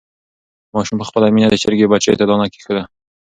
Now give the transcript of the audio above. ماشوم په خپله مینه د چرګې بچیو ته دانه کېښوده.